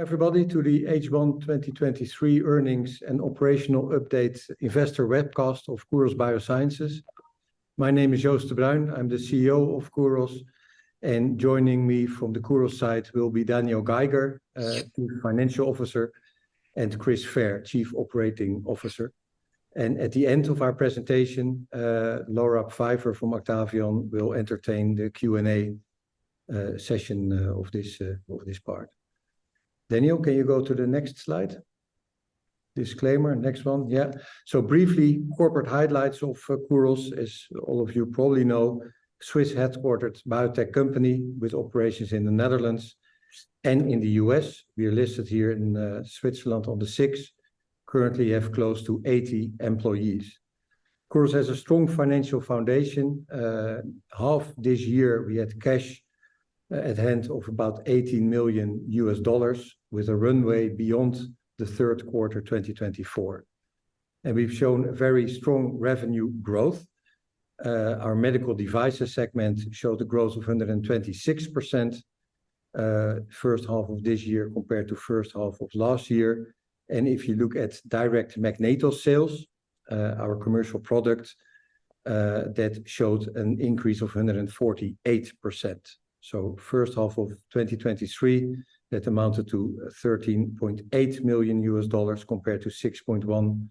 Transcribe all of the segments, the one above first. everybody to the H1 2023 Earnings and Operational Update Investor Webcast of Kuros Biosciences. My name is Joost de Bruijn, I'm the CEO of Kuros, joining me from the Kuros side will be Daniel Geiger, Chief Financial Officer, and Chris Fair, Chief Operating Officer. At the end of our presentation, Laura Pfeiffer from Octavian will entertain the Q&A session of this of this part. Daniel, can you go to the next slide? Disclaimer. Next one. Yeah. Briefly, corporate highlights of Kuros, as all of you probably know, Swiss-headquartered biotech company with operations in the Netherlands and in the US. We are listed here in Switzerland on the SIX, currently have close to 80 employees. Kuros has a strong financial foundation. Half this year, we had cash at hand of about $18 million, with a runway beyond the third quarter 2024, and we've shown very strong revenue growth. Our medical devices segment showed a growth of 126%, first half of this year compared to first half of last year. If you look at direct MagnetOs sales, our commercial product, that showed an increase of 148%. First half of 2023, that amounted to $13.8 million compared to $6.1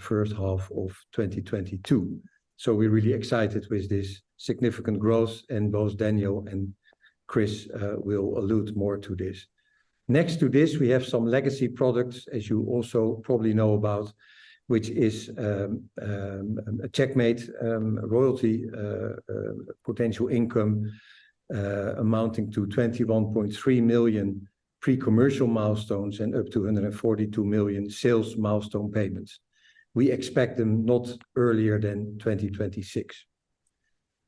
first half of 2022. We're really excited with this significant growth, and both Daniel and Chris will allude more to this. Next to this, we have some legacy products, as you also probably know about, which is a Checkmate royalty potential income, amounting to 21.3 million pre-commercial milestones and up to 142 million sales milestone payments. We expect them not earlier than 2026.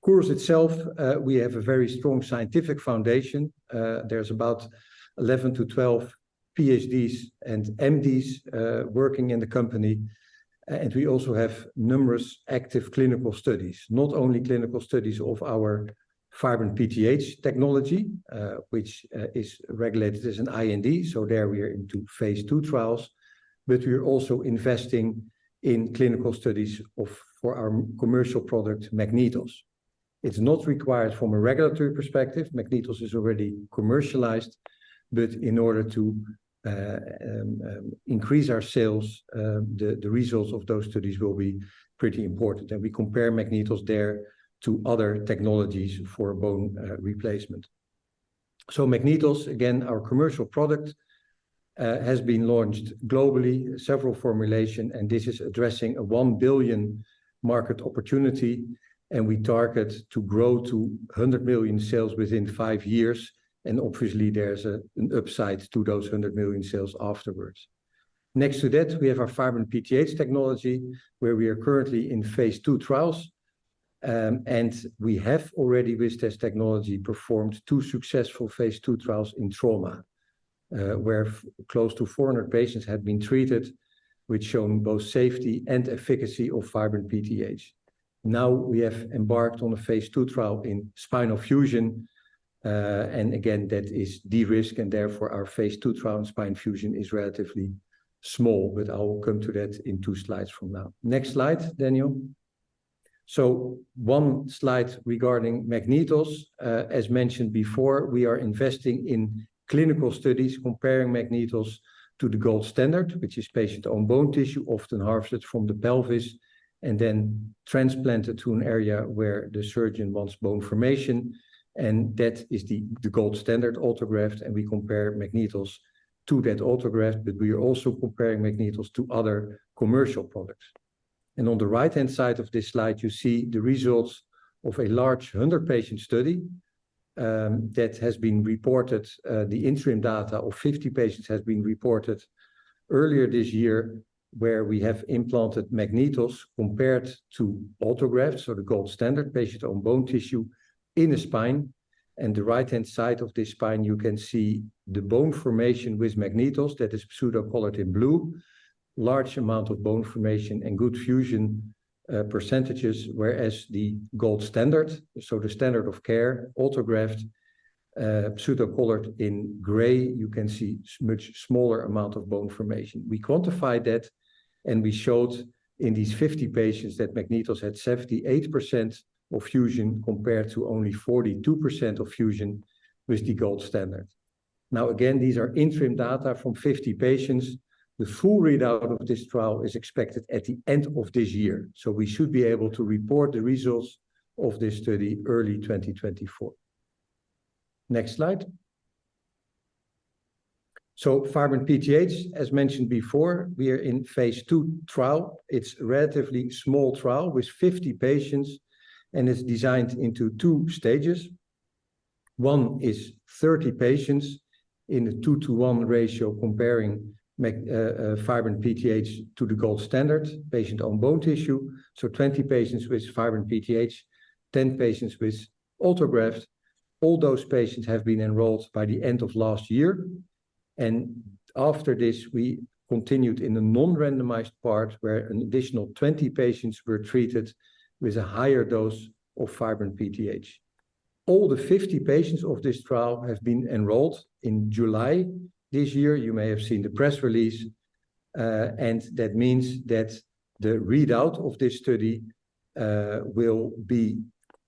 Kuros itself, we have a very strong scientific foundation. There's about 11 to 12 PhDs and MDs working in the company, we also have numerous active clinical studies, not only clinical studies of our Fibrin-PTH technology, which is regulated as an IND. There we are into Phase 2 trials, but we are also investing in clinical studies for our commercial product, MagnetOs. It's not required from a regulatory perspective. MagnetOs is already commercialized, but in order to increase our sales, the results of those studies will be pretty important. We compare MagnetOs there to other technologies for bone replacement. MagnetOs, again, our commercial product, has been launched globally, several formulation, and this is addressing a $1 billion market opportunity, and we target to grow to $100 million sales within five years, and obviously there's an upside to those $100 million sales afterwards. Next to that, we have our Fibrin-PTH technology, where we are currently in Phase 2 trials, and we have already, with this technology, performed two successful Phase 2 trials in trauma, where close to 400 patients have been treated, which shown both safety and efficacy of Fibrin-PTH. We have embarked on a Phase 2 trial in spinal fusion, again, that is de-risk, therefore our Phase 2 trial in spine fusion is relatively small, I will come to that in two slides from now. Next slide, Daniel. One slide regarding MagnetOs. As mentioned before, we are investing in clinical studies comparing MagnetOs to the gold standard, which is patient-own bone tissue, often harvested from the pelvis and then transplanted to an area where the surgeon wants bone formation, that is the, the gold standard autograft, we compare MagnetOs to that autograft, we are also comparing MagnetOs to other commercial products. On the right-hand side of this slide, you see the results of a large 100-patient study that has been reported. The interim data of 50 patients has been reported earlier this year, where we have implanted MagnetOs compared to autografts or the gold standard patient-own bone tissue in the spine. The right-hand side of the spine, you can see the bone formation with MagnetOs that is pseudocolored in blue, large amount of bone formation and good fusion percentages, whereas the gold standard, so the standard of care, autograft, pseudocolored in gray, you can see much smaller amount of bone formation. We quantified that, and we showed in these 50 patients that MagnetOs had 78% of fusion, compared to only 42% of fusion with the gold standard. Now, again, these are interim data from 50 patients. The full readout of this trial is expected at the end of this year, so we should be able to report the results of this study early 2024. Next slide. Fibrin-PTH, as mentioned before, we are in Phase 2 trial. It's a relatively small trial with 50 patients, and it's designed into two stages. 1 is 30 patients in a 2-to-1 ratio, comparing Fibrin-PTH to the gold standard, patient-own bone tissue. 20 patients with Fibrin-PTH, 10 patients with autografts. All those patients have been enrolled by the end of last year. After this, we continued in the non-randomized part, where an additional 20 patients were treated with a higher dose of Fibrin-PTH. All the 50 patients of this trial have been enrolled in July this year. You may have seen the press release, and that means that the readout of this study will be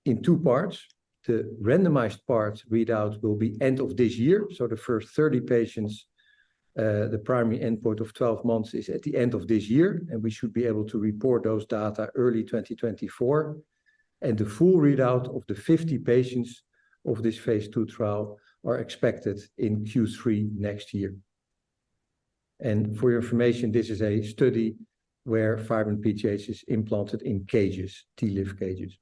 in two parts. The randomized parts readout will be end of this year, so the first 30 patients, the primary endpoint of 12 months is at the end of this year. We should be able to report those data early 2024. The full readout of the 50 patients of this Phase 2 trial are expected in Q3 next year. For your information, this is a study where Fibrin-PTH is implanted in cages, TLIF cages.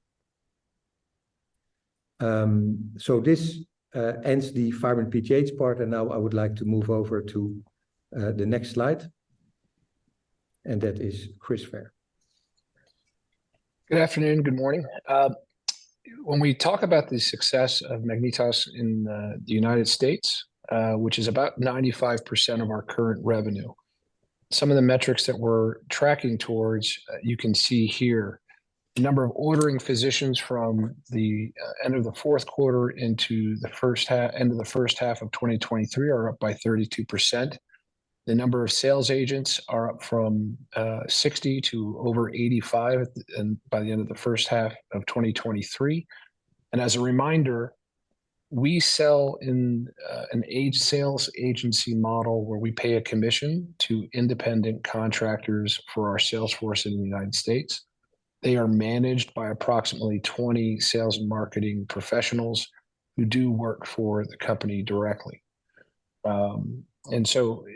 This ends the Fibrin-PTH part. Now I would like to move over to the next slide. That is Chris Fair. Good afternoon, good morning. When we talk about the success of MagnetOs in the United States, which is about 95% of our current revenue, some of the metrics that we're tracking towards, you can see here. The number of ordering physicians from the end of the fourth quarter into the end of the first half of 2023 are up by 32%. The number of sales agents are up from 60 to over 85 by the end of the first half of 2023. As a reminder, we sell in an agent sales agency model, where we pay a commission to independent contractors for our sales force in the United States. They are managed by approximately 20 sales and marketing professionals, who do work for the company directly. Also,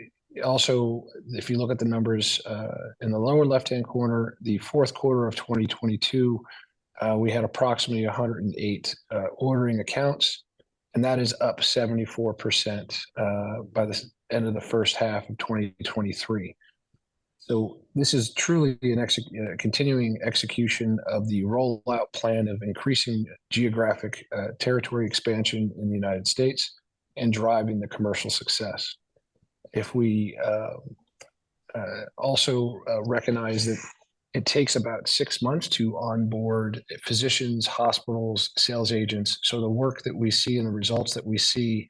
if you look at the numbers in the lower left-hand corner, the fourth quarter of 2022, we had approximately 108 ordering accounts, and that is up 74% by the end of the first half of 2023. This is truly a continuing execution of the rollout plan of increasing geographic territory expansion in the United States and driving the commercial success. If we also recognize that it takes about 6 months to onboard physicians, hospitals, sales agents, the work that we see and the results that we see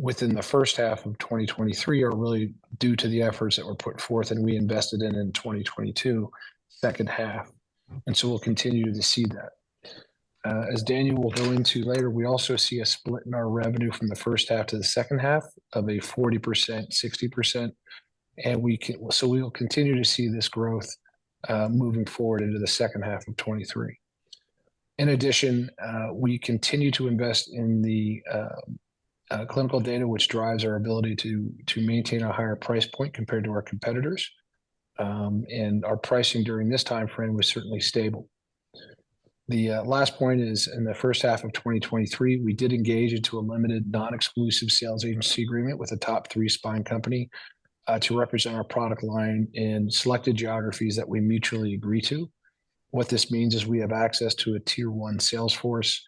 within the first half of 2023 are really due to the efforts that were put forth and we invested in in 2022, second half. We'll continue to see that. As Daniel will go into later, we also see a split in our revenue from the first half to the second half of a 40%, 60%, so we will continue to see this growth moving forward into the second half of 2023. In addition, we continue to invest in the clinical data, which drives our ability to maintain a higher price point compared to our competitors, our pricing during this timeframe was certainly stable. Last point is, in the first half of 2023, we did engage into a limited, non-exclusive sales agency agreement with a top three spine company to represent our product line in selected geographies that we mutually agree to. What this means is we have access to a tier one sales force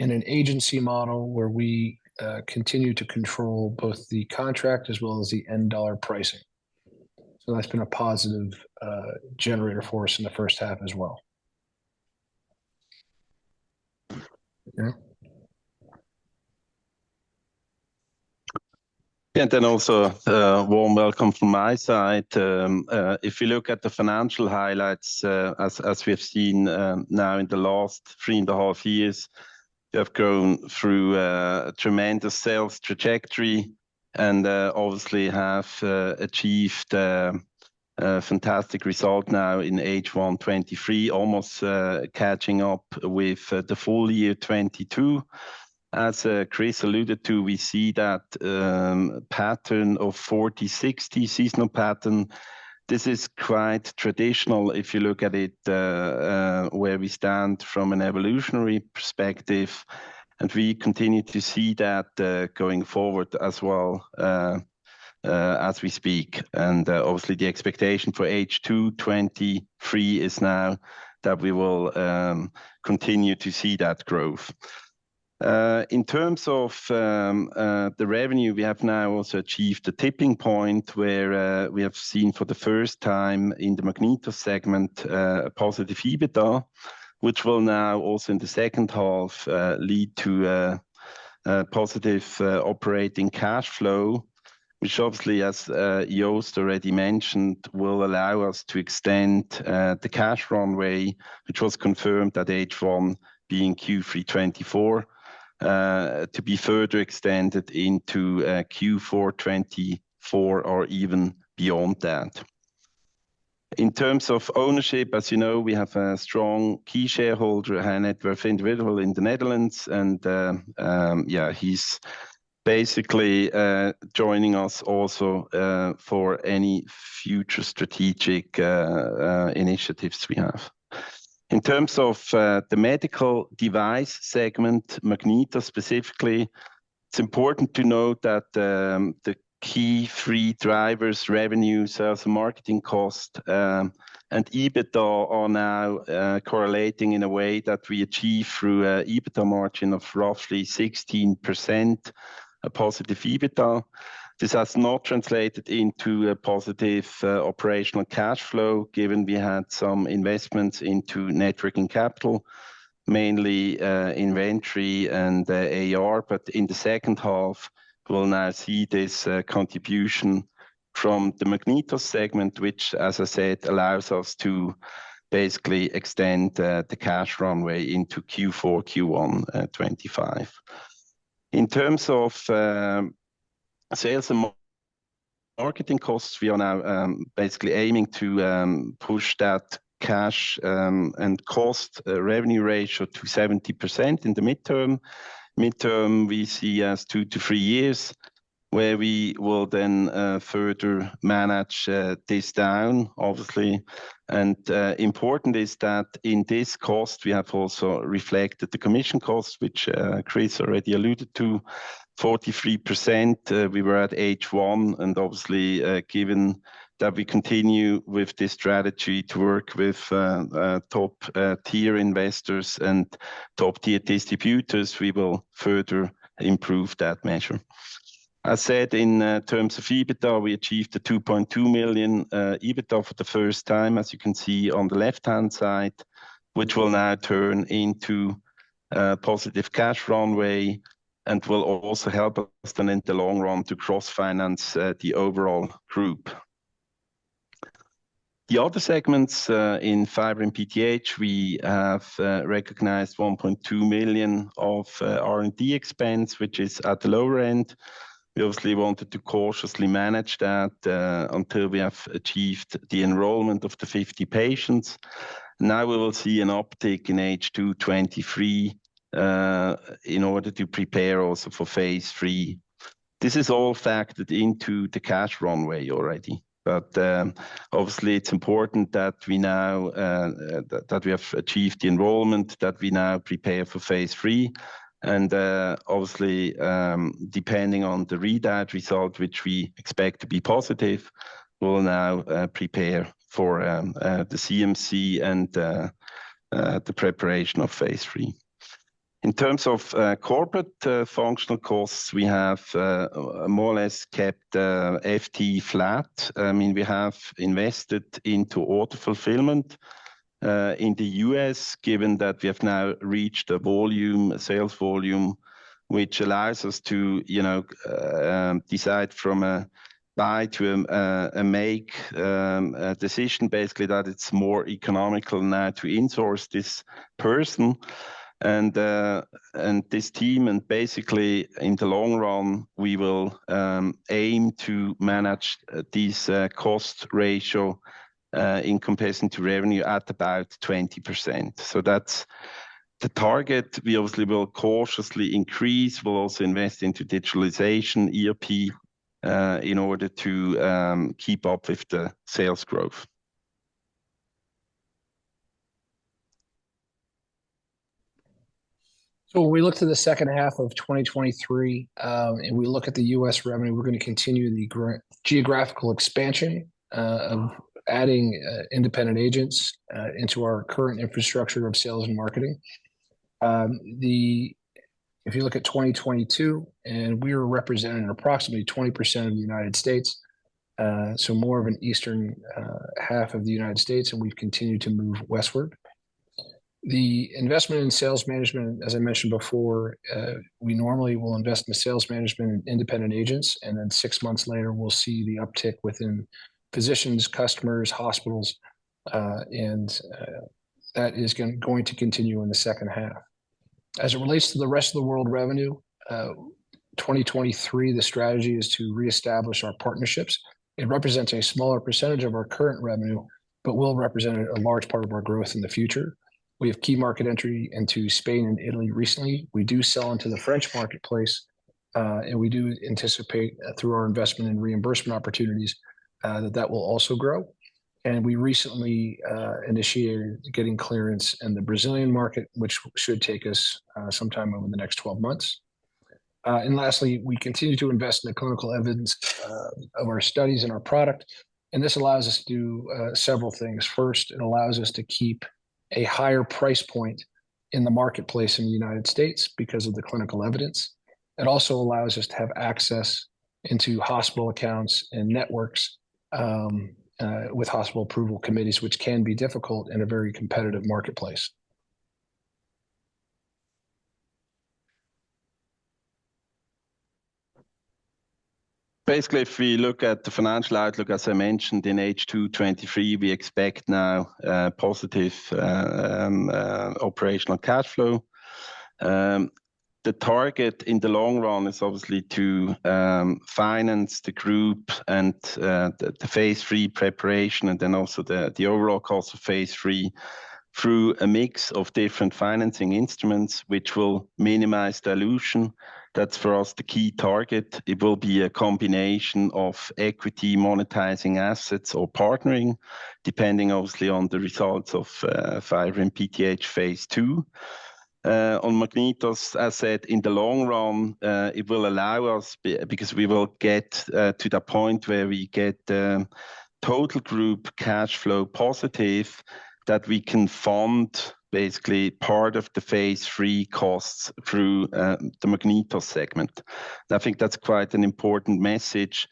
and an agency model where we continue to control both the contract as well as the end dollar pricing. That's been a positive generator for us in the first half as well. Yeah. Then also, a warm welcome from my side. If you look at the financial highlights, as, as we have seen, now in the last 3.5 years, we have gone through a tremendous sales trajectory and obviously have achieved a fantastic result now in H1 2023, almost catching up with the full year 2022. As Chris alluded to, we see that 40-60 seasonal pattern. This is quite traditional if you look at it, where we stand from an evolutionary perspective, and we continue to see that going forward as well as we speak. Obviously, the expectation for H2 2023 is now that we will continue to see that growth. In terms of the revenue, we have now also achieved a tipping point where we have seen for the first time in the MagnetOs segment, a positive EBITDA, which will now also in the second half lead to a positive operating cash flow, which obviously, as Joost already mentioned, will allow us to extend the cash runway, which was confirmed at H1 being Q3 2024, to be further extended into Q4 2024 or even beyond that. In terms of ownership, as you know, we have a strong key shareholder, high net worth individual in the Netherlands, and yeah, he's basically joining us also for any future strategic initiatives we have. In terms of the medical device segment, MagnetOs specifically, it's important to note that the key three drivers, revenues, sales and marketing cost, and EBITDA, are now correlating in a way that we achieve through EBITDA margin of roughly 16%, a positive EBITDA. This has not translated into a positive operational cash flow, given we had some investments into net working capital, mainly inventory and AR. In the second half, we'll now see this contribution from the MagnetOs segment, which, as I said, allows us to basically extend the cash runway into Q4, Q1 2025. In terms of sales and marketing costs, we are now basically aiming to push that cash and cost revenue ratio to 70% in the midterm. Midterm, we see as two to three years, where we will then further manage this down, obviously. Important is that in this cost, we have also reflected the commission cost, which Chris already alluded to, 43%. We were at H1, obviously, given that we continue with this strategy to work with top-tier investors and top-tier distributors, we will further improve that measure. In terms of EBITDA, we achieved 2.2 million EBITDA for the first time, as you can see on the left-hand side, which will now turn into positive cash runway and will also help us then in the long run to cross-finance the overall group. The other segments, in Fibrin-PTH, we have recognized 1.2 million of R&D expense, which is at the lower end. We obviously wanted to cautiously manage that until we have achieved the enrollment of the 50 patients. We will see an uptick in H2 2023 in order to prepare also for Phase 3. This is all factored into the cash runway already. Obviously, it's important that we now have achieved the enrollment, that we now prepare for Phase 3. Obviously, depending on the read-out result, which we expect to be positive, we'll now prepare for the CMC and the preparation of Phase 3. In terms of corporate functional costs, we have more or less kept FTE flat. I mean, we have invested into order fulfillment in the US, given that we have now reached a volume, a sales volume, which allows us to, you know, decide from a buy to a make decision, basically, that it's more economical now to in-source this person and this team. Basically, in the long run, we will aim to manage this cost ratio in comparison to revenue at about 20%. That's the target. We obviously will cautiously increase. We'll also invest into digitalization, ERP, in order to keep up with the sales growth. When we look to the second half of 2023, and we look at the US revenue, we're going to continue the geographical expansion of adding independent agents into our current infrastructure of sales and marketing. If you look at 2022, and we were representing approximately 20% of the United States, so more of an eastern half of the United States, and we've continued to move westward. The investment in sales management, as I mentioned before, we normally will invest in the sales management and independent agents, and then six months later, we'll see the uptick within physicians, customers, hospitals, and that is going to continue in the second half. As it relates to the rest of the world revenue, 2023, the strategy is to reestablish our partnerships. It represents a smaller percentage of our current revenue, but will represent a large part of our growth in the future. We have key market entry into Spain and Italy recently. We do sell into the French marketplace, and we do anticipate, through our investment and reimbursement opportunities, that that will also grow. We recently initiated getting clearance in the Brazilian market, which should take us sometime over the next 12 months. Lastly, we continue to invest in the clinical evidence of our studies and our product, and this allows us to do several things. First, it allows us to keep a higher price point in the marketplace in the United States because of the clinical evidence. It also allows us to have access into hospital accounts and networks, with hospital approval committees, which can be difficult in a very competitive marketplace. Basically, if we look at the financial outlook, as I mentioned, in H2 2023, we expect now positive operational cash flow. The target in the long run is obviously to finance the group and the Phase 3 preparation, and then also the overall cost of Phase 3 through a mix of different financing instruments, which will minimize dilution. That's for us, the key target. It will be a combination of equity, monetizing assets, or partnering, depending obviously on the results of Fibrin-PTH Phase 2. On MagnetOs asset in the long run, it will allow us because we will get to the point where we get total group cash flow positive, that we can fund basically part of the Phase 3 costs through the MagnetOs segment. I think that's quite an important message,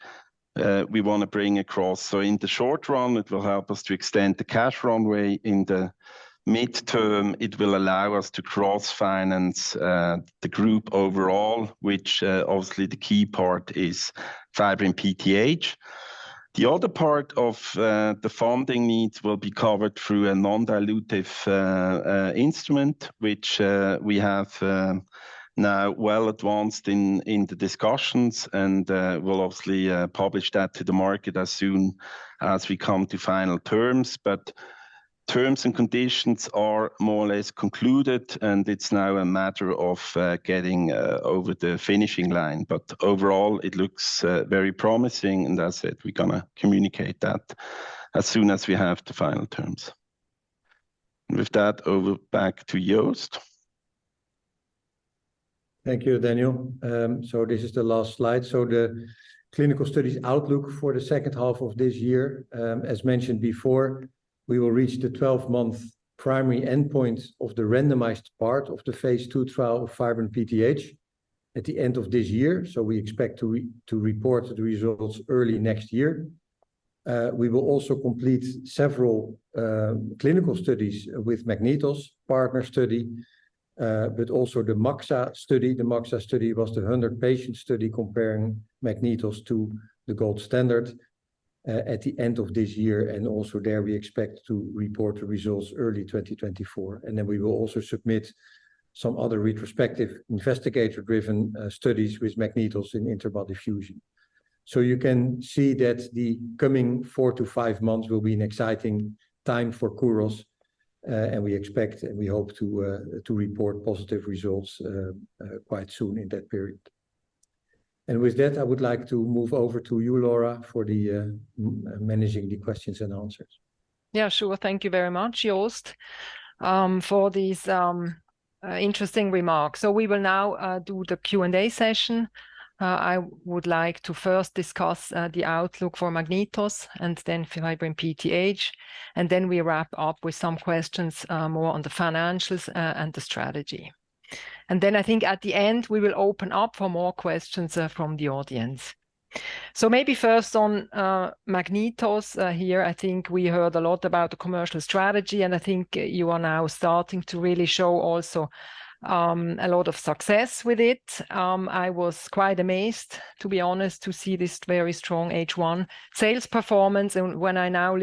we want to bring across. In the short run, it will help us to extend the cash runway. In the midterm, it will allow us to cross-finance the group overall, which obviously the key part is Fibrin-PTH. The other part of the funding needs will be covered through a non-dilutive instrument, which we have now well advanced in the discussions, and we'll obviously publish that to the market as soon as we come to final terms. Terms and conditions are more or less concluded, and it's now a matter of getting over the finishing line. Overall, it looks very promising, and that's it. We're going to communicate that as soon as we have the final terms. With that, over back to Joost. Thank you, Daniel. This is the last slide. The clinical studies outlook for the second half of this year, as mentioned before, we will reach the 12-month primary endpoint of the randomized part of the Phase 2 trial of Fibrin-PTH at the end of this year, so we expect to report the results early next year. We will also complete several clinical studies with MagnetOs partner study, but also the MAXA study. The MAXA study was the 100 patient study comparing MagnetOs to the gold standard at the end of this year, and also there we expect to report the results early 2024. We will also submit some other retrospective, investigator-driven studies with MagnetOs in interbody fusion. You can see that the coming four to five months will be an exciting time for Kuros, and we expect and we hope to report positive results quite soon in that period. With that, I would like to move over to you, Laura, for the managing the questions and answers. Yeah, sure. Thank you very much, Joost, for these interesting remarks. We will now do the Q&A session. I would like to first discuss the outlook for MagnetOs and then for Fibrin-PTH, and then we wrap up with some questions more on the financials and the strategy. I think at the end, we will open up for more questions from the audience. Maybe first on MagnetOs. Here I think we heard a lot about the commercial strategy, and I think you are now starting to really show also a lot of success with it. I was quite amazed, to be honest, to see this very strong H1 sales performance, and when I now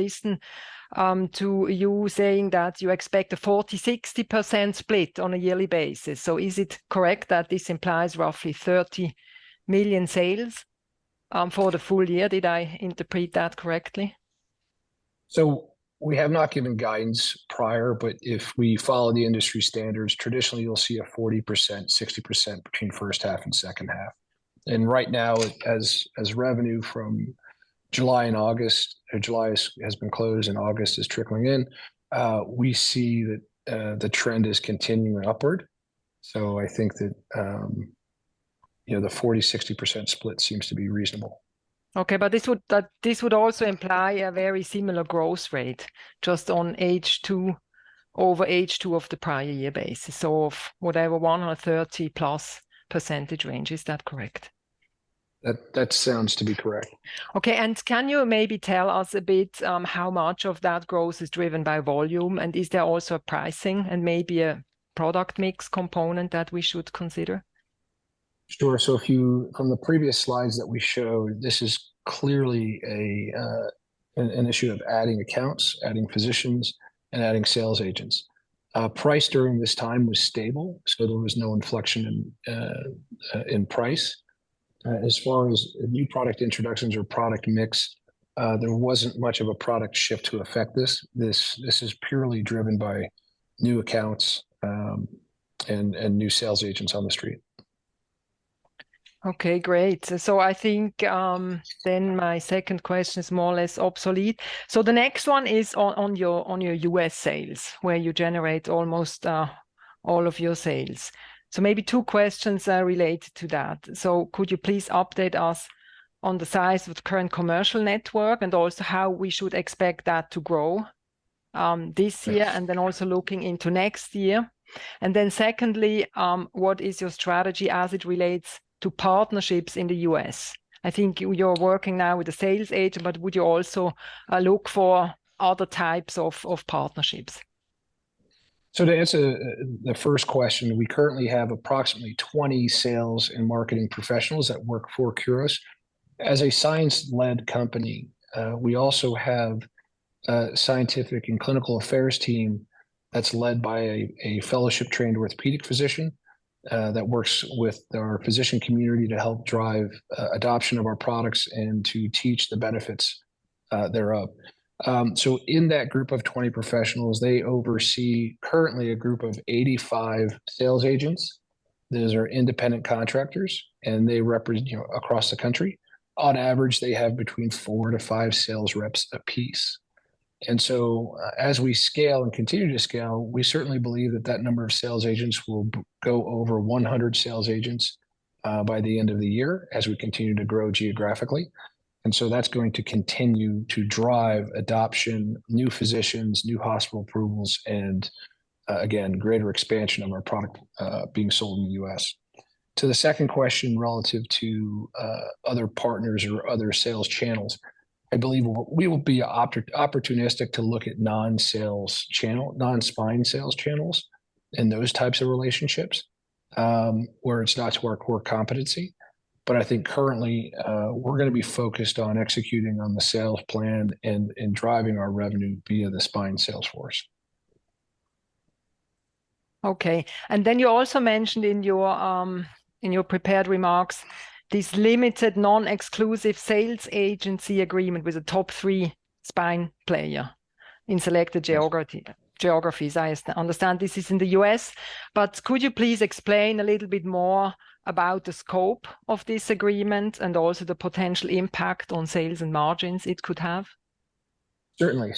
listen to you saying that you expect a 40%-60% split on a yearly basis. Is it correct that this implies roughly 30 million sales for the full year? Did I interpret that correctly? We have not given guidance prior, but if we follow the industry standards, traditionally you'll see a 40%, 60% between first half and second half. Right now, as, as revenue from July and August, July has, has been closed and August is trickling in, we see that the trend is continuing upward. I think that, you know, the 40%, 60% split seems to be reasonable. Okay, this would also imply a very similar growth rate, just on H2 over H2 of the prior year basis, so of whatever, 130+% range. Is that correct? That, that sounds to be correct. Okay. And can you maybe tell us a bit, how much of that growth is driven by volume? Is there also a pricing and maybe a product mix component that we should consider? Sure. If from the previous slides that we showed, this is clearly an issue of adding accounts, adding physicians, and adding sales agents. Price during this time was stable, so there was no inflection in price. As far as new product introductions or product mix, there wasn't much of a product shift to affect this. This is purely driven by new accounts and new sales agents on the street. Okay, great. I think, then my second question is more or less obsolete. The next one is on, on your, on your U.S. sales, where you generate almost all of your sales. Maybe two questions related to that. Could you please update us on the size of the current commercial network, and also how we should expect that to grow this year- Yes... also looking into next year? Secondly, what is your strategy as it relates to partnerships in the U.S.? I think you're working now with a sales agent, but would you also look for other types of partnerships? To answer the, the first question, we currently have approximately 20 sales and marketing professionals that work for Kuros. As a science-led company, we also have a scientific and clinical affairs team that's led by a, a fellowship-trained orthopedic physician, that works with our physician community to help drive adoption of our products and to teach the benefits thereof. In that group of 20 professionals, they oversee currently a group of 85 sales agents. These are independent contractors, they represent, you know, across the country. On average, they have between four to five sales reps apiece. As we scale and continue to scale, we certainly believe that that number of sales agents will go over 100 sales agents by the end of the year as we continue to grow geographically. So that's going to continue to drive adoption, new physicians, new hospital approvals, and again, greater expansion of our product being sold in the US. To the second question, relative to other partners or other sales channels, I believe we will be opportunistic to look at non-spine sales channels and those types of relationships, where it's not to our core competency. I think currently, we're gonna be focused on executing on the sales plan and driving our revenue via the spine sales force. Okay. You also mentioned in your, in your prepared remarks, this limited non-exclusive sales agency agreement with the top 3 spine player in selected geography. Yes... geographies. I understand this is in the US, but could you please explain a little bit more about the scope of this agreement, and also the potential impact on sales and margins it could have? Certainly.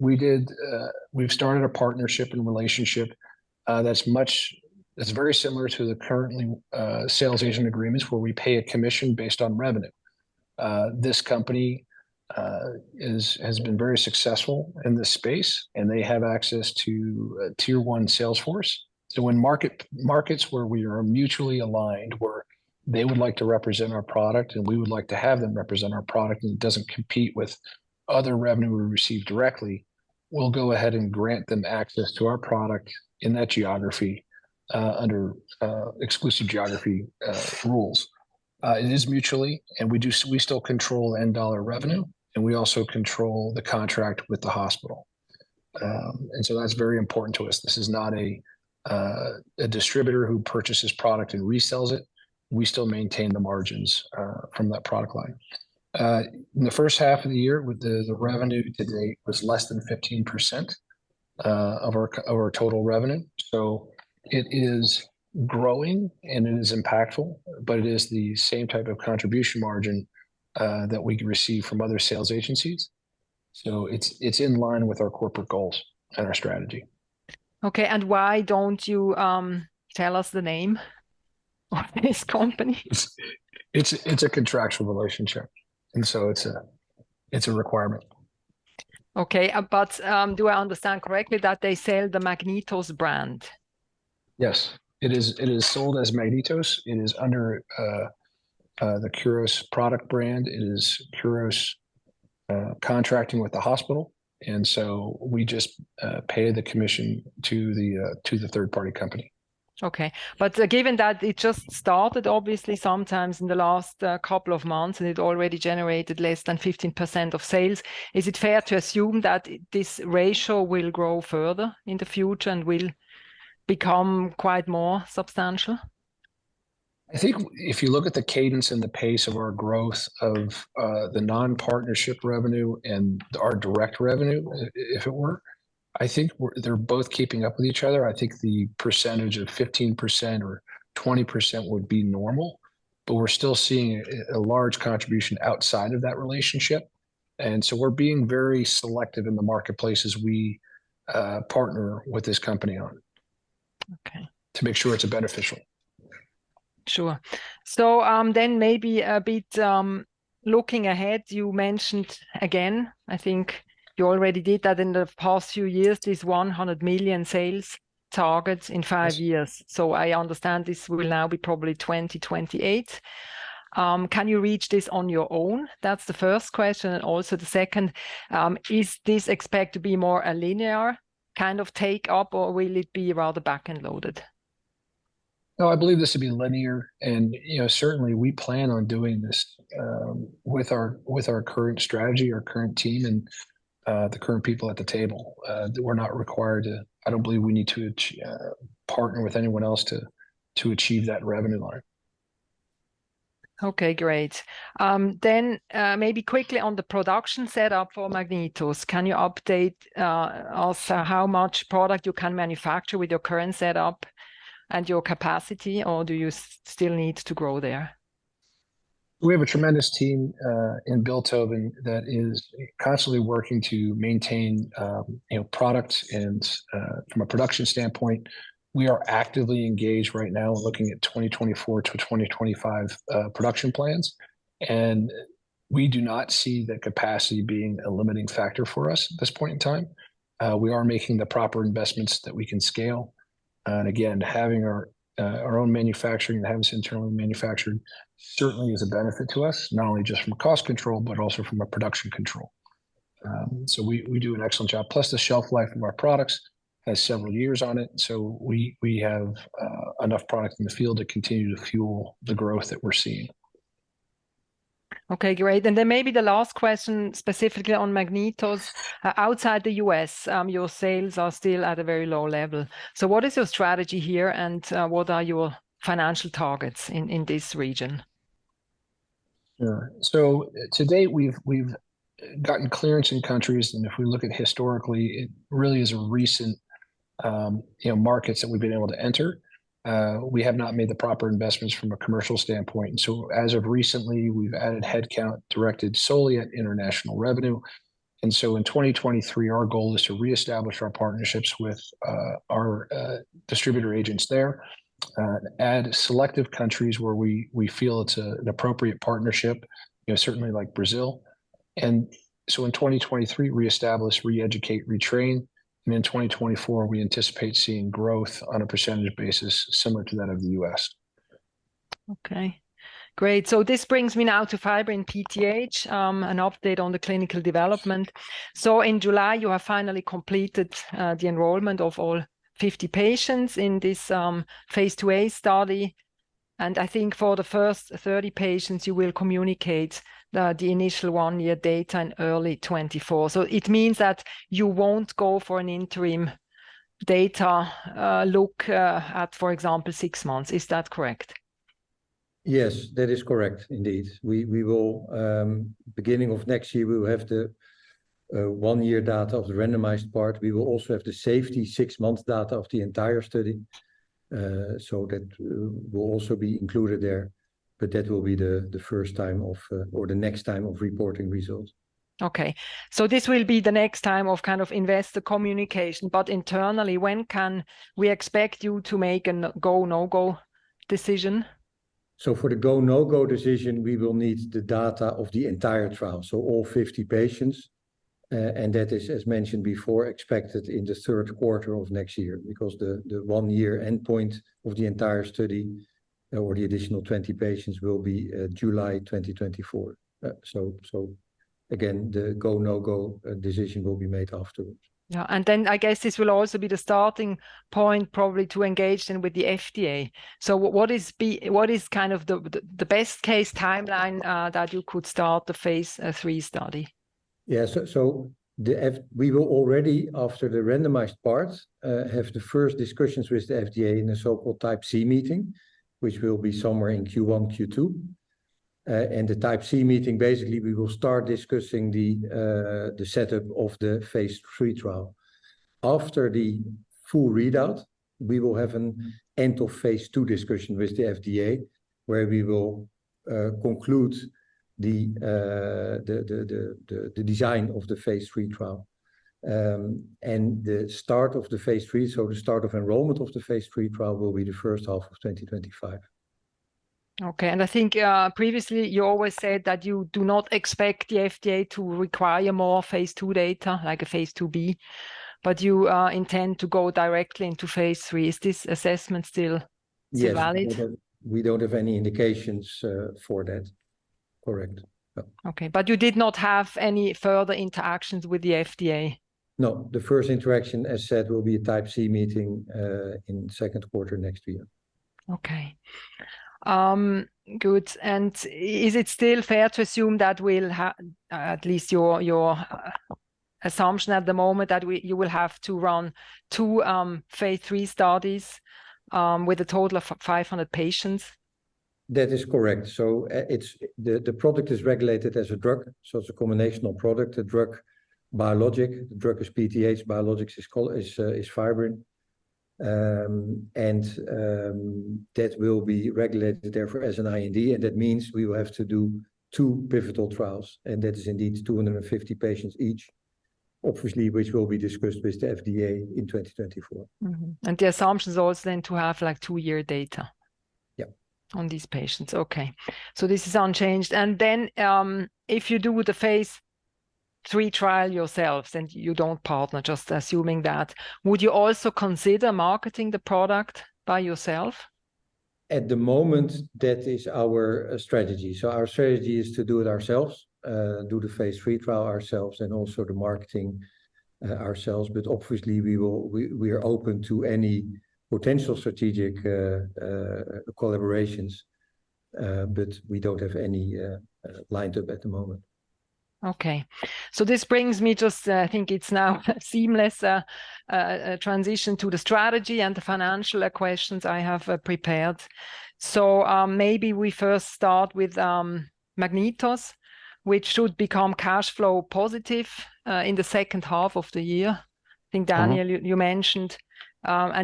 We did. We've started a partnership and relationship that's very similar to the currently sales agent agreements, where we pay a commission based on revenue. This company has been very successful in this space, and they have access to a tier 1 sales force. When markets where we are mutually aligned, where they would like to represent our product, and we would like to have them represent our product, and it doesn't compete with other revenue we receive directly, we'll go ahead and grant them access to our product in that geography under exclusive geography rules. It is mutually, and we do we still control end dollar revenue, and we also control the contract with the hospital. That's very important to us. This is not a distributor who purchases product and resells it. We still maintain the margins from that product line. In the first half of the year, with the, the revenue to date was less than 15% of our total revenue, so it is growing and it is impactful, but it is the same type of contribution margin that we receive from other sales agencies. It's, it's in line with our corporate goals and our strategy. Okay, why don't you tell us the name of this company? It's, it's, it's a contractual relationship, and so it's a, it's a requirement. Okay, do I understand correctly that they sell the MagnetOs brand? Yes, it is, sold as MagnetOs. It is under the Kuros product brand. It is Kuros contracting with the hospital, so we just pay the commission to the third-party company. Okay. Given that it just started obviously sometimes in the last couple of months, and it already generated less than 15% of sales, is it fair to assume that this ratio will grow further in the future, and will become quite more substantial? I think if you look at the cadence and the pace of our growth of the non-partnership revenue and our direct revenue, if it were, I think we're they're both keeping up with each other. I think the percentage of 15% or 20% would be normal, but we're still seeing a, a large contribution outside of that relationship, and so we're being very selective in the marketplace as we partner with this company on it... Okay to make sure it's beneficial. Sure. Maybe a bit looking ahead, you mentioned again, I think you already did that in the past few years, this 100 million sales targets in five years. Yes. I understand this will now be probably 2028. Can you reach this on your own? That's the first question, and also the second, is this expect to be more a linear kind of take-up, or will it be rather back-end loaded? No, I believe this will be linear. You know, certainly we plan on doing this with our, with our current strategy, our current team, and the current people at the table. We're not required to... I don't believe we need to partner with anyone else to, to achieve that revenue line. Okay, great. Maybe quickly on the production setup for MagnetOs, can you update, also how much product you can manufacture with your current setup and your capacity, or do you still need to grow there? We have a tremendous team, in Bilthoven, that is constantly working to maintain, you know, product and, from a production standpoint, we are actively engaged right now in looking at 2024 to 2025 production plans. We do not see the capacity being a limiting factor for us at this point in time. We are making the proper investments that we can scale. Again, having our own manufacturing, having us internally manufacturing, certainly is a benefit to us, not only just from a cost control, but also from a production control. We, we do an excellent job. Plus, the shelf life of our products has several years on it, so we, we have enough product in the field to continue to fuel the growth that we're seeing. Okay, great. Then maybe the last question, specifically on MagnetOs. Outside the US, your sales are still at a very low level. What is your strategy here, and, what are your financial targets in, in this region? Sure. To date, we've, we've gotten clearance in countries, and if we look at historically, it really is a recent-.... you know, markets that we've been able to enter. We have not made the proper investments from a commercial standpoint, as of recently, we've added headcount directed solely at international revenue. In 2023, our goal is to reestablish our partnerships with our distributor agents there, add selective countries where we, we feel it's a, an appropriate partnership, you know, certainly like Brazil. In 2023, reestablish, re-educate, retrain, and in 2024, we anticipate seeing growth on a percentage basis similar to that of the U.S. Okay, great. This brings me now to Fibrin-PTH, an update on the clinical development. In July, you have finally completed the enrollment of all 50 patients in this Phase 2a study, and I think for the first 30 patients, you will communicate the initial 1-year data in early 2024. It means that you won't go for an interim data look at, for example, six months. Is that correct? Yes, that is correct indeed. We will, beginning of next year, we will have the one-year data of the randomized part. We will also have the safety six months data of the entire study, so that will also be included there, but that will be the first time of or the next time of reporting results. Okay. This will be the next time of kind of investor communication, but internally, when can we expect you to make a go, no-go decision? For the go, no-go decision, we will need the data of the entire trial, so all 50 patients. And that is, as mentioned before, expected in the third quarter of next year, because the, the one-year endpoint of the entire study, or the additional 20 patients, will be July 2024. Again, the go, no-go decision will be made afterwards. Yeah, then I guess this will also be the starting point probably to engage then with the FDA. What, what is what is kind of the, the, the best case timeline that you could start the Phase 3 study? Yeah. So we will already, after the randomized parts, have the first discussions with the FDA in a so-called Type C meeting, which will be somewhere in Q1, Q2. The Type C meeting, basically we will start discussing the setup of the Phase 3 trial. After the full readout, we will have an end of phase 2 discussion with the FDA, where we will conclude the design of the Phase 3 trial. The start of the Phase 3, so the start of enrollment of the Phase 3 trial will be the first half of 2025. Okay, I think, previously, you always said that you do not expect the FDA to require more phase 2 data, like a phase 2b, but you intend to go directly into Phase 3. Is this assessment still? Yes ...still valid? We don't have, we don't have any indications, for that. Correct. Yeah. Okay, you did not have any further interactions with the FDA? No. The first interaction, as said, will be a Type C meeting, in the second quarter next year. Okay. good. is it still fair to assume that we'll at least your, your, assumption at the moment, that you will have to run 2, Phase 3 studies, with a total of 500 patients? That is correct. The product is regulated as a drug, so it's a combinational product, a drug biologic. The drug is PTH, biologics is fibrin. That will be regulated therefore as an IND, and that means we will have to do two pivotal trials, and that is indeed 250 patients each, obviously, which will be discussed with the FDA in 2024. The assumption is also then to have, like, two-year data-. Yeah... on these patients. Okay. This is unchanged. Then, if you do the Phase 3 trial yourselves, and you don't partner, just assuming that, would you also consider marketing the product by yourself? At the moment, that is our strategy. Our strategy is to do it ourselves, do the Phase 3 trial ourselves, and also the marketing ourselves. Obviously, we are open to any potential strategic collaborations, but we don't have any lined up at the moment. Okay. This brings me to, I think it's now a seamless transition to the strategy and the financial questions I have prepared. Maybe we first start with MagnetOs, which should become cash flow positive in the second half of the year. I think, Daniel, you, you mentioned,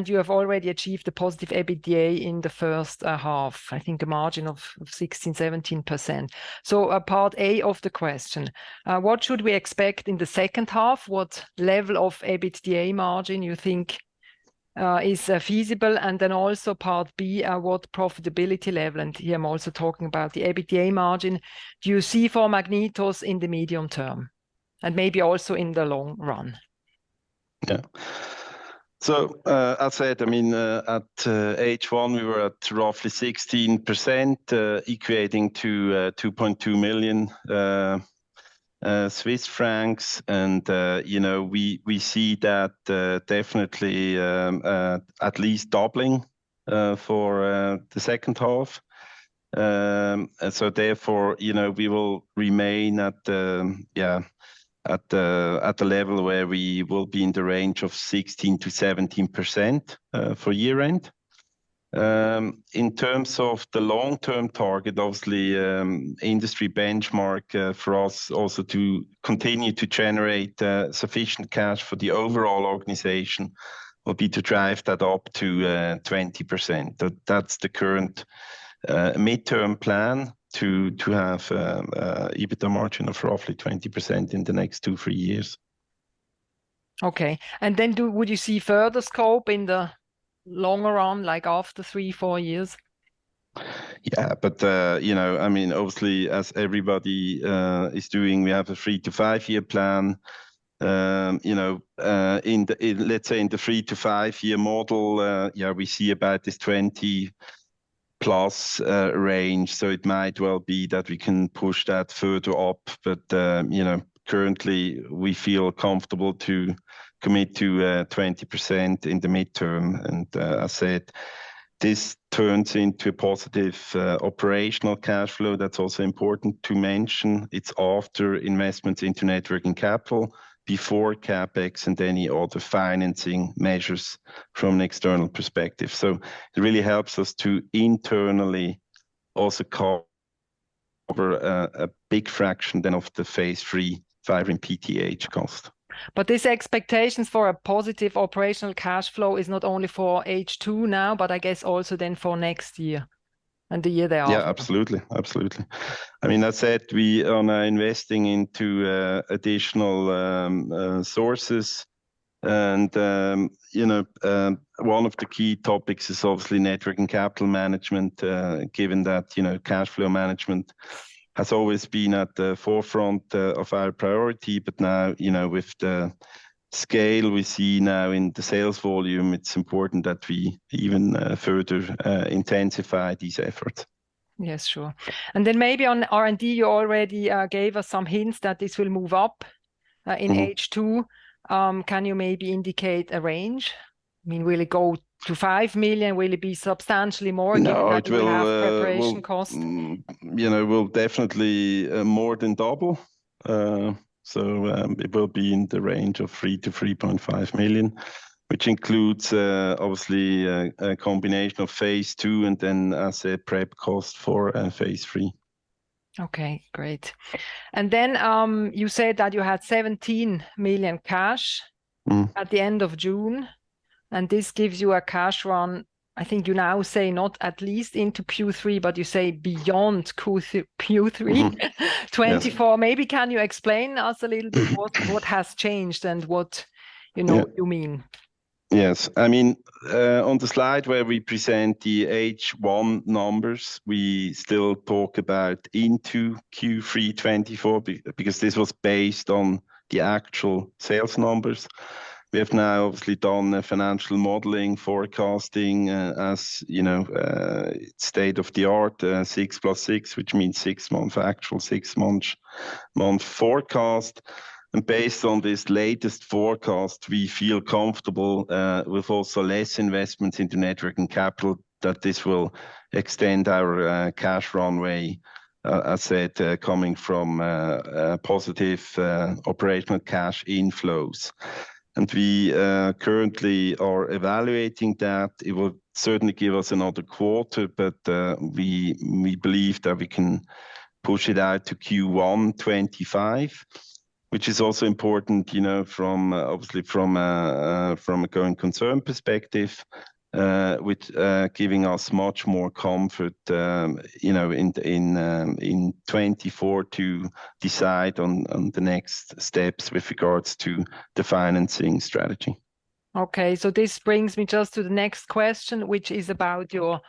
you have already achieved a positive EBITDA in the first half, I think a margin of 16%-17%. Part A of the question: What should we expect in the second half? What level of EBITDA margin you think is feasible? Then also part B, what profitability level, and here I'm also talking about the EBITDA margin, do you see for MagnetOs in the medium term, and maybe also in the long run? Yeah. I'd say, at H1, we were at roughly 16%, equating to 2.2 million Swiss francs. You know, we see that definitely at least doubling for the second half. Therefore, you know, we will remain at, yeah, at the level where we will be in the range of 16%-17% for year-end. in terms of the long-term target, obviously, industry benchmark, for us also to continue to generate sufficient cash for the overall organization will be to drive that up to 20%. That's the current, midterm plan, to have EBITDA margin of roughly 20% in the next two to three years. Okay. Would you see further scope in the longer run, like after three, four years? Yeah, you know, I mean, obviously, as everybody is doing, we have a three to five-year plan. You know, let's say in the three to five-year model, yeah, we see about this 20+ range, so it might well be that we can push that further up. You know, currently, we feel comfortable to commit to 20% in the midterm. I said this turns into a positive operational cash flow. That's also important to mention. It's after investments into net working capital, before CapEx and any other financing measures from an external perspective. It really helps us to internally also cover a big fraction then of the Phase III Fibrin-PTH cost. These expectations for a positive operational cash flow is not only for H2 now, but I guess also then for next year and the year thereafter. Yeah, absolutely. Absolutely. I mean, I said we are now investing into additional sources. You know, one of the key topics is obviously net working capital management, given that, you know, cash flow management has always been at the forefront of our priority. Now, you know, with the scale we see now in the sales volume, it's important that we even further intensify these efforts. Yes, sure. Maybe on R&D, you already gave us some hints that this will move up.... in H2. Can you maybe indicate a range? I mean, will it go to 5 million? Will it be substantially more than that? No, it will. preparation cost?... you know, will definitely more than double. It will be in the range of 3 million-3.5 million, which includes, obviously, a combination of phase II and then, as a prep cost for, phase III. Okay, great. You said that you had 17 million cash-... at the end of June, and this gives you a cash run. I think you now say not at least into Q3, but you say beyond Q3, Q3-... 2024. Yes. Maybe can you explain us a little bit what has changed and what, you know? Yeah you mean? Yes. I mean, on the slide where we present the H1 numbers, we still talk about into Q3 2024, because this was based on the actual sales numbers. We have now obviously done the financial modeling forecasting, as you know, state-of-the-art, six plus six, which means six months actual, six months forecast. Based on this latest forecast, we feel comfortable, with also less investments into net working capital, that this will extend our cash runway, I said, coming from a positive, operational cash inflows. We currently are evaluating that. It will certainly give us another quarter, but we, we believe that we can push it out to Q1 2025, which is also important, you know, from obviously from a from a going concern perspective, which giving us much more comfort, you know, in, in 2024 to decide on, on the next steps with regards to the financing strategy. Okay. This brings me just to the next question, which is about your,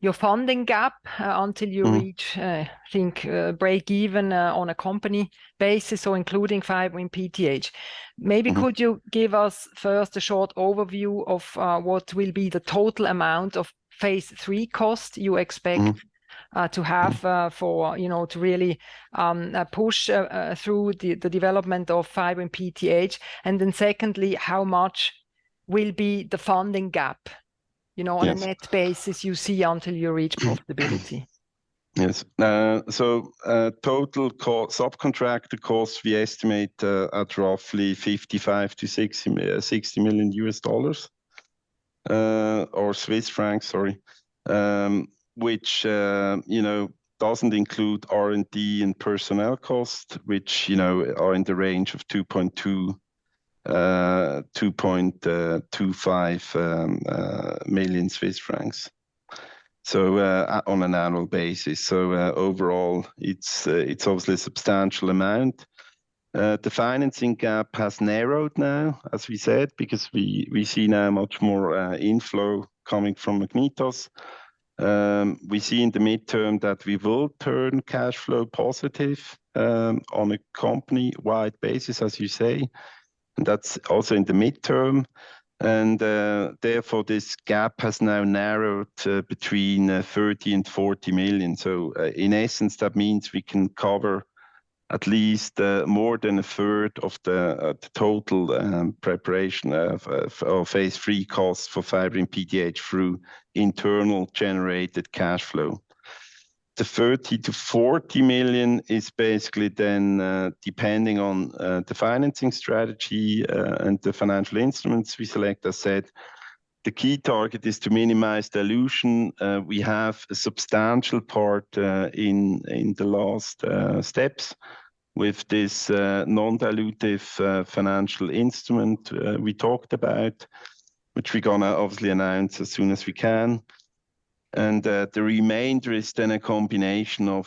your funding gap, until you reach... I think, break even, on a company basis, so including Fibrin-PTH. Maybe could you give us first a short overview of, what will be the total amount of Phase III cost you expect-... to have, for, you know, to really, push through the development of Fibrin-PTH? Then secondly, how much will be the funding gap, you know? Yes on a net basis you see until you reach profitability? Yes. So, total cost, subcontractor costs, we estimate at roughly Swiss francs 55 million-60 million. Which, you know, doesn't include R&D and personnel cost, which, you know, are in the range of Swiss francs 2.2 million-2.25 million, on an annual basis. Overall, it's obviously a substantial amount. The financing gap has narrowed now, as we said, because we see now much more inflow coming from MagnetOs. We see in the midterm that we will turn cash flow positive, on a company-wide basis, as you say, and that's also in the midterm. Therefore, this gap has now narrowed to between Swiss francs 30 million and Swiss francs 40 million. In essence, that means we can cover at least more than a third of the total preparation of Phase 3 costs for Fibrin-PTH through internal generated cash flow. The 30 million-40 million is basically then depending on the financing strategy and the financial instruments we select. I said the key target is to minimize dilution. We have a substantial part in the last steps with this non-dilutive financial instrument we talked about, which we're gonna obviously announce as soon as we can. The remainder is then a combination of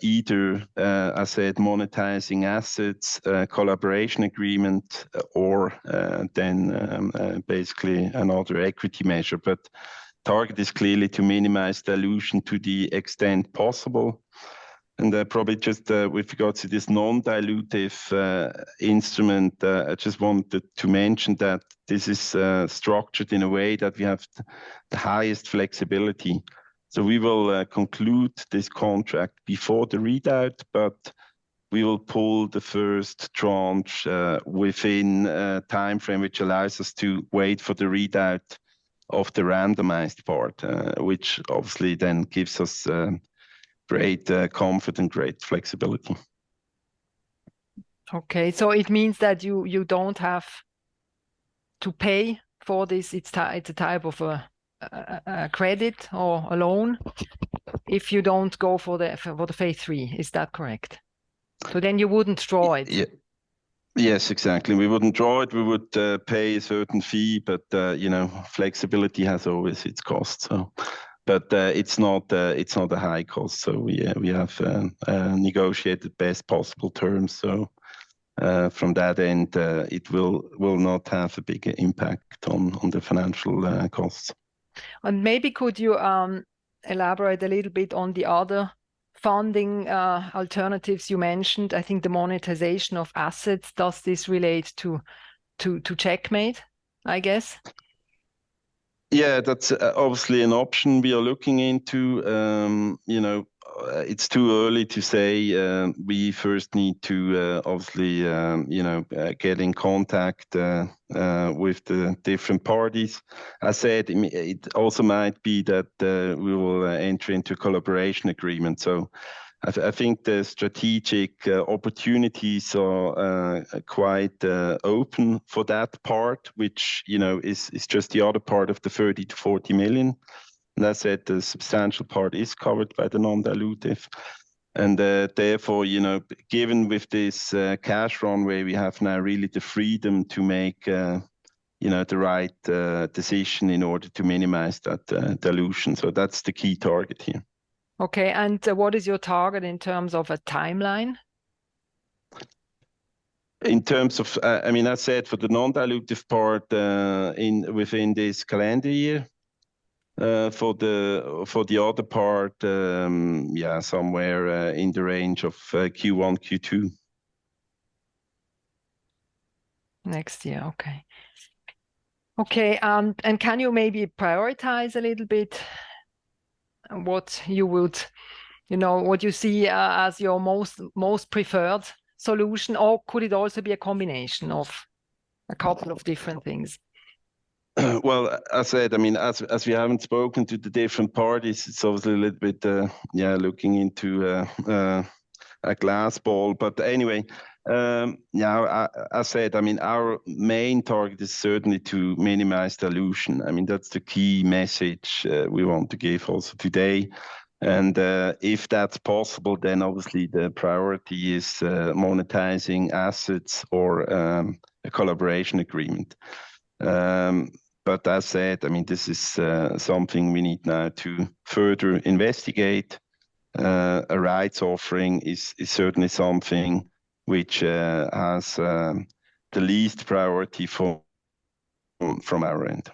either I said, monetizing assets, collaboration agreement, or then basically another equity measure. Target is clearly to minimize dilution to the extent possible. Probably just with regard to this non-dilutive instrument, I just wanted to mention that this is structured in a way that we have the highest flexibility. We will conclude this contract before the readout, but we will pull the first tranche within a timeframe which allows us to wait for the readout of the randomized part, which obviously then gives us great comfort and great flexibility. Okay, it means that you don't have to pay for this? It's a type of a credit or a loan. Yes if you don't go for the Phase 3, is that correct? Then you wouldn't draw it. Yeah. Yes, exactly. We wouldn't draw it. We would pay a certain fee, but, you know, flexibility has always its cost, so. It's not, it's not a high cost, so we, we have negotiated best possible terms. From that end, it will, will not have a big impact on, on the financial, costs. Maybe could you elaborate a little bit on the other funding alternatives you mentioned? I think the monetization of assets, does this relate to, to, to Checkmate, I guess? Yeah, that's obviously an option we are looking into. You know, it's too early to say. We first need to obviously, you know, get in contact with the different parties. I said, it also might be that we will enter into collaboration agreement. I think the strategic opportunities are quite open for that part, which, you know, is just the other part of the 30 million-40 million. I said the substantial part is covered by the non-dilutive, and therefore, you know, given with this cash runway, we have now really the freedom to make, you know, the right decision in order to minimize that dilution. That's the key target here. Okay, what is your target in terms of a timeline? In terms of, I mean, I said for the non-dilutive part, within this calendar year. For the other part, yeah, somewhere in the range of Q1, Q2. Next year, okay. Okay, can you maybe prioritize a little bit what you would, you know, what you see as your most, most preferred solution, or could it also be a combination of a couple of different things? Well, I said, I mean, as, as we haven't spoken to the different parties, it's obviously a little bit, looking into a glass ball. Anyway, I, I said, I mean, our main target is certainly to minimize dilution. I mean, that's the key message, we want to give also today, if that's possible, then obviously the priority is monetizing assets or a collaboration agreement. As I said, I mean, this is something we need now to further investigate. A rights offering is certainly something which has the least priority for, from our end.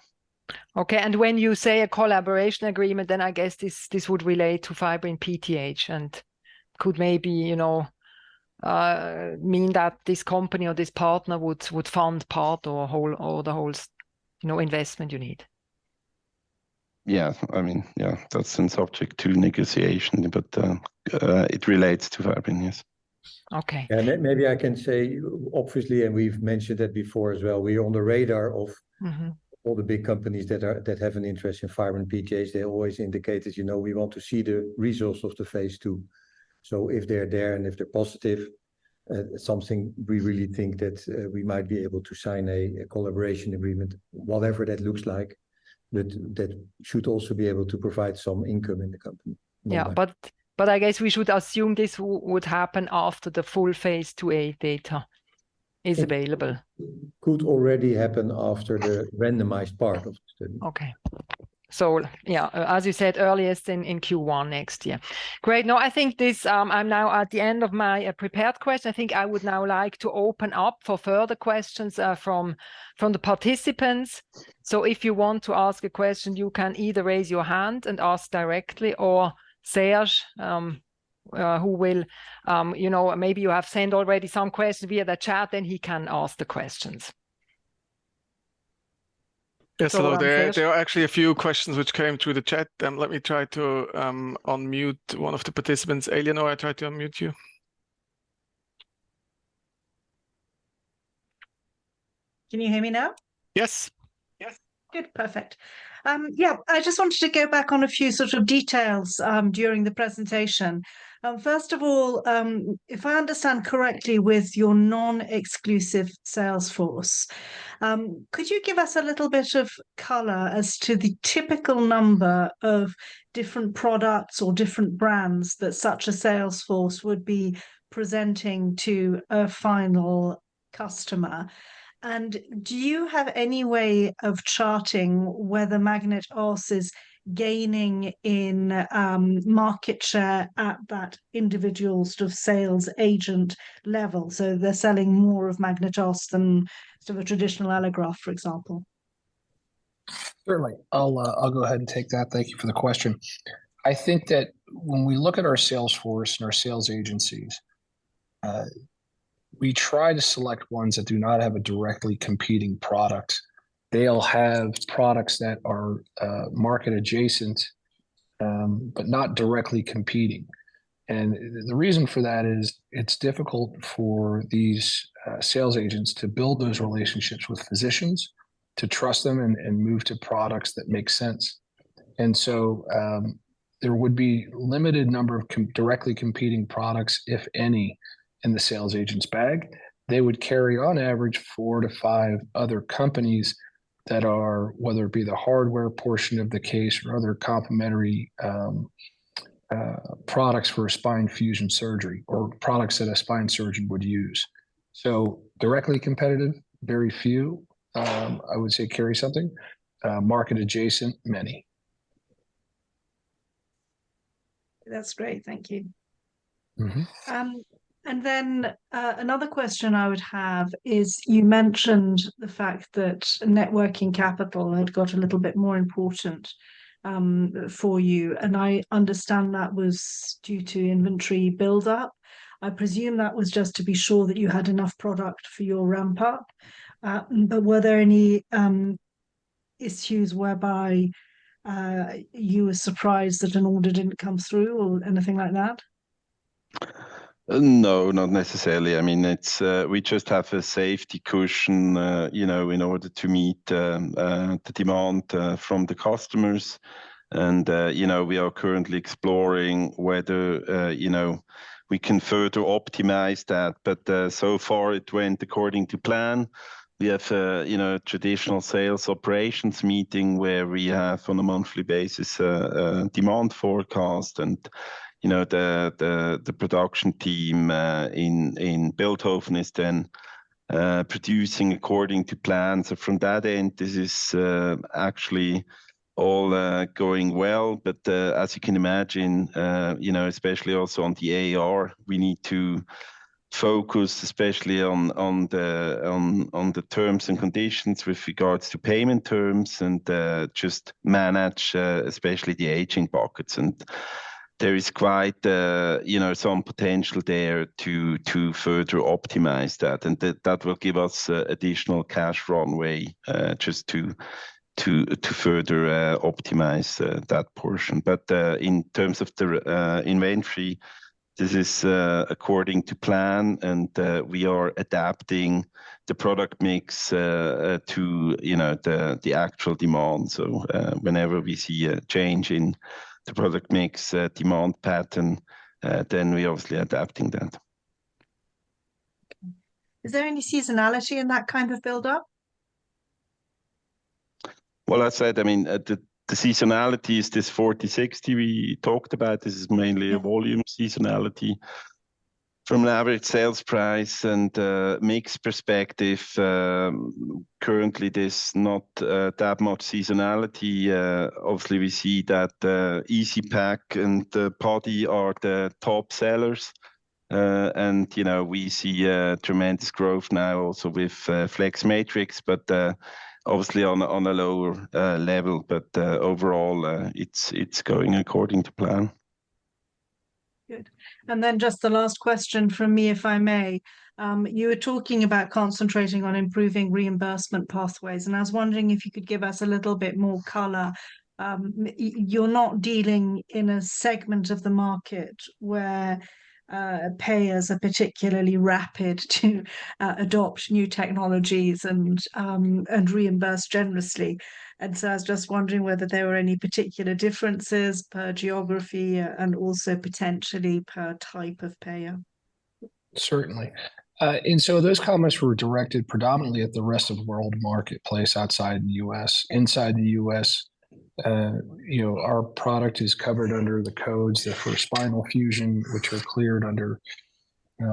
Okay, when you say a collaboration agreement, I guess this, this would relate to Fibrin-PTH, and could maybe, you know, mean that this company or this partner would, would fund part or whole, or the whole, you know, investment you need? Yeah. I mean, yeah, that's in subject to negotiation. It relates to fibrin, yes. Okay. Maybe I can say, obviously, and we've mentioned that before as well, we're on the radar of.... all the big companies that have an interest in fibrin in PTH. They always indicated, you know, we want to see the results of the phase II. If they're there and if they're positive, something we really think that we might be able to sign a collaboration agreement, whatever that looks like, that should also be able to provide some income in the company. Yeah, I guess we should assume this would happen after the full Phase 2A data is available. Could already happen after the randomized part of the-. Okay. Yeah, as you said, earliest in Q1 next year. Great. I think this, I'm now at the end of my prepared questions. I think I would now like to open up for further questions from the participants. If you want to ask a question, you can either raise your hand and ask directly, or Serge, who will... You know, maybe you have sent already some questions via the chat, then he can ask the questions. Yes, hello there. Go on, Serge. There are actually a few questions which came through the chat, let me try to unmute one of the participants. Eleanor, I try to unmute you? Can you hear me now? Yes. Yes. Good. Perfect. Yeah, I just wanted to go back on a few sort of details during the presentation. First of all, if I understand correctly, with your non-exclusive sales force, could you give us a little bit of color as to the typical number of different products or different brands that such a sales force would be presenting to a final customer? Do you have any way of charting whether MagnetOs is gaining in market share at that individual sort of sales agent level, so they're selling more of MagnetOs than sort of a traditional allograft, for example? Certainly. I'll, I'll go ahead and take that. Thank you for the question. I think that when we look at our sales force and our sales agencies, we try to select ones that do not have a directly competing product. They'll have products that are, market adjacent, but not directly competing. The reason for that is it's difficult for these, sales agents to build those relationships with physicians, to trust them and, and move to products that make sense. So, there would be limited number of directly competing products, if any, in the sales agent's bag. They would carry, on average, 4 to 5 other companies that are, whether it be the hardware portion of the case or other complementary, products for a spine fusion surgery or products that a spine surgeon would use. Directly competitive, very few, I would say carry something, market adjacent, many. That's great, thank you. Another question I would have is, you mentioned the fact that net working capital had got a little bit more important, for you, and I understand that was due to inventory build-up. I presume that was just to be sure that you had enough product for your ramp up. Were there any issues whereby, you were surprised that an order didn't come through or anything like that? No, not necessarily. I mean, it's, we just have a safety cushion, you know, in order to meet the demand from the customers. You know, we are currently exploring whether, you know, we can further optimize that, so far it went according to plan. We have, you know, traditional sales operations meeting where we have, on a monthly basis, demand forecast and, you know, the, the, the production team in Bilthoven is then producing according to plan. From that end, this is actually all going well. As you can imagine, you know, especially also on the AR, we need to focus especially on, on the terms and conditions with regards to payment terms and just manage especially the aging pockets. There is quite, you know, some potential there to, to further optimize that, and that, that will give us additional cash runway, just to, to, to further optimize that portion. In terms of the inventory, this is according to plan, and we are adapting the product mix to, you know, the, the actual demand. Whenever we see a change in the product mix, demand pattern, then we're obviously adapting that. Is there any seasonality in that kind of build-up? Well, I said, I mean, the, the seasonality is this 40-60 we talked about. This is mainly- Yeah... a volume seasonality. From an average sales price and mix perspective, currently, there's not that much seasonality. Obviously, we see that Easypack and Putty are the top sellers. You know, we see tremendous growth now also with Flex Matrix, obviously on a lower level. Overall, it's going according to plan. Good. Then just the last question from me, if I may. You were talking about concentrating on improving reimbursement pathways, and I was wondering if you could give us a little bit more color. You're not dealing in a segment of the market where payers are particularly rapid to adopt new technologies and reimburse generously. I was just wondering whether there were any particular differences per geography and also potentially per type of payer. Certainly. Those comments were directed predominantly at the rest of the world marketplace outside the U.S. Inside the U.S., you know, our product is covered under the codes that for spinal fusion, which are cleared under, you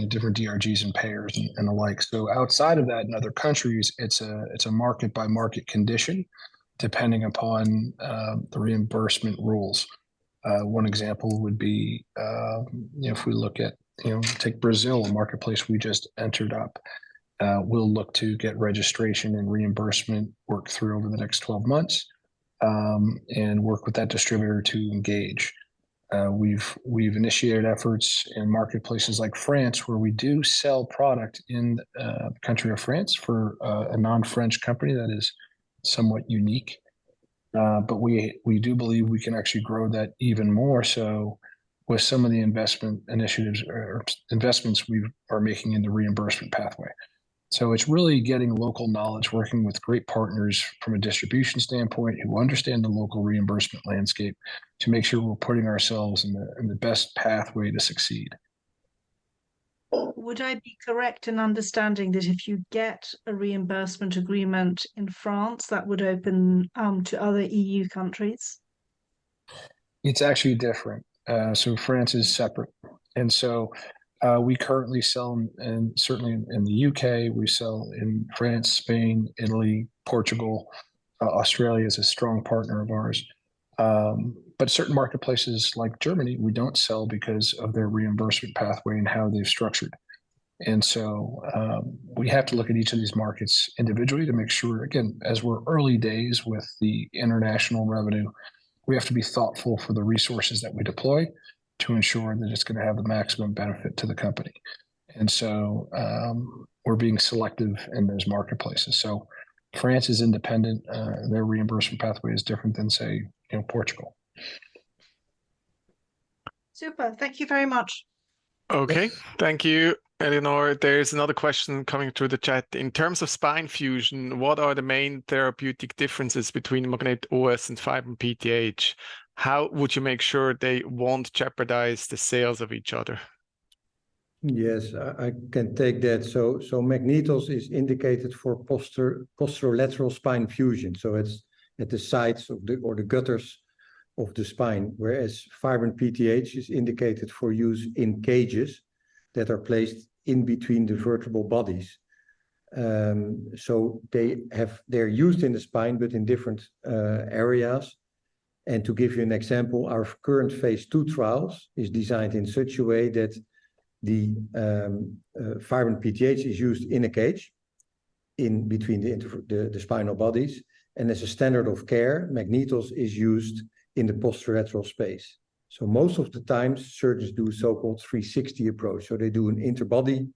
know, different DRGs and payers and, and the like. Outside of that, in other countries, it's a, it's a market-by-market condition, depending upon the reimbursement rules. One example would be, you know, if we look at, you know, take Brazil, a marketplace we just entered up, we'll look to get registration and reimbursement work through over the next 12 months, and work with that distributor to engage. We've, we've initiated efforts in marketplaces like France, where we do sell product in the country of France for a non-French company that is somewhat unique. We, we do believe we can actually grow that even more so with some of the investment initiatives or investments we are making in the reimbursement pathway. It's really getting local knowledge, working with great partners from a distribution standpoint, who understand the local reimbursement landscape, to make sure we're putting ourselves in the, in the best pathway to succeed. Would I be correct in understanding that if you get a reimbursement agreement in France, that would open to other EU countries? It's actually different. France is separate. We currently sell in, certainly in the UK, we sell in France, Spain, Italy, Portugal. Australia is a strong partner of ours. Certain marketplaces, like Germany, we don't sell because of their reimbursement pathway and how they're structured. We have to look at each of these markets individually to make sure, again, as we're early days with the international revenue, we have to be thoughtful for the resources that we deploy to ensure that it's gonna have the maximum benefit to the company. We're being selective in those marketplaces. France is independent. Their reimbursement pathway is different than, say, in Portugal. Super. Thank you very much. Okay. Thank you, Elinor. There is another question coming through the chat: In terms of spine fusion, what are the main therapeutic differences between MagnetOs and Fibrin-PTH? How would you make sure they won't jeopardize the sales of each other? Yes, I, I can take that. MagnetOs is indicated for posterolateral spine fusion, so it's at the sides of or the gutters of the spine. Whereas Fibrin-PTH is indicated for use in cages that are placed in between the vertebral bodies. They're used in the spine, but in different areas. To give you an example, our current phase 2 trials is designed in such a way that the Fibrin-PTH is used in a cage in between the spinal bodies, and as a standard of care, MagnetOs is used in the posterolateral space. Most of the time, surgeons do a so-called 360-degree fusion, so they do an interbody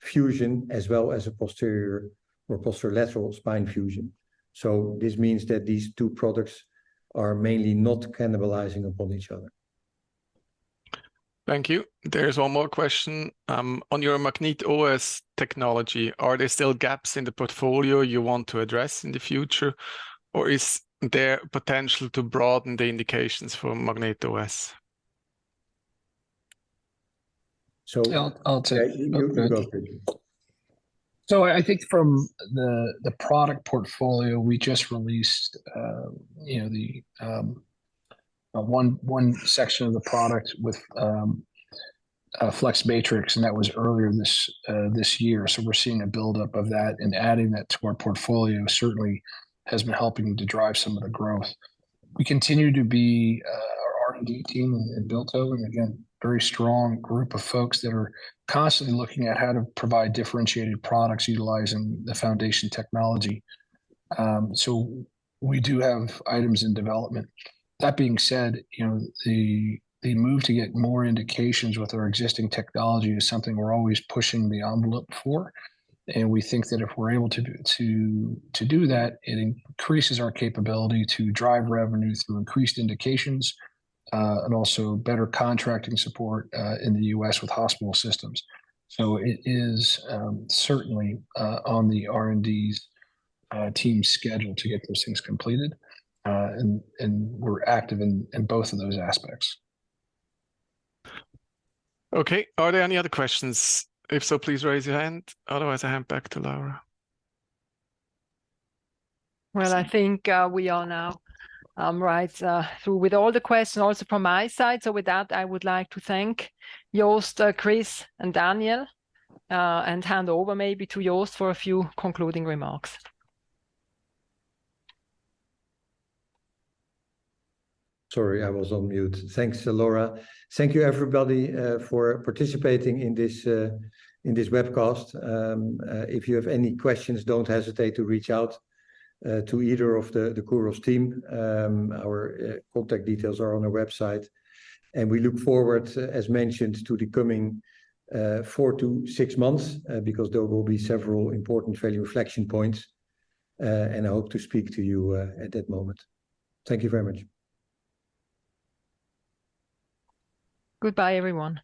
fusion as well as a posterior or posterolateral spine fusion. This means that these two products are mainly not cannibalizing upon each other. Thank you. There's one more question. On your MagnetOs technology, are there still gaps in the portfolio you want to address in the future, or is there potential to broaden the indications for MagnetOs? So- I'll take that. You can go for it. I think from the product portfolio we just released, you know, the one section of the product with Flex Matrix, and that was earlier this year. We're seeing a build-up of that, and adding that to our portfolio certainly has been helping to drive some of the growth. We continue to be our R&D team in Bilthoven, again, very strong group of folks that are constantly looking at how to provide differentiated products utilizing the foundation technology. We do have items in development. That being said, you know, the, the move to get more indications with our existing technology is something we're always pushing the envelope for, and we think that if we're able to do, to, to do that, it increases our capability to drive revenue through increased indications, and also better contracting support, in the US with hospital systems. It is, certainly, on the R&D's team schedule to get those things completed. And we're active in both of those aspects. Okay. Are there any other questions? If so, please raise your hand. Otherwise, I hand back to Laura. Well, I think, we are now, right, through with all the questions also from my side. With that, I would like to thank Joost, Chris, and Daniel, and hand over maybe to Joost for a few concluding remarks. Sorry, I was on mute. Thanks, Laura. Thank you, everybody, for participating in this, in this webcast. If you have any questions, don't hesitate to reach out to either of the, the Kuros team. Our contact details are on our website, we look forward, as mentioned, to the coming four to six months, because there will be several important value reflection points, I hope to speak to you at that moment. Thank you very much. Goodbye, everyone.